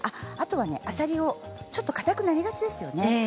あとは、あさり、ちょっとかたくなりがちですよね。